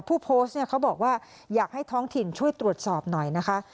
ผู้โพสต์เนี่ยเขาบอกว่าอยากให้ท้องถิ่นช่วยตรวจสอบหน่อยนะคะ